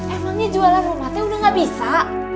emangnya jualan rumah teh udah gak bisa